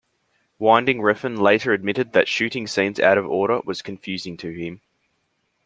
Winding Refn later admitted that shooting scenes out of order was confusing to him.